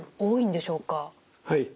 はい。